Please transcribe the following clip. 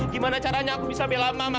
gimana caranya aku bisa bela mama